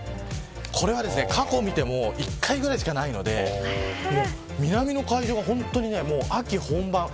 これは過去見ても１回ぐらいしかないので南の海上が、本当に秋本番。